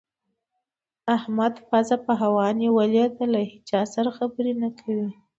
احمد پزه په هوا نيول ده؛ له هيچا سره خبرې نه کوي.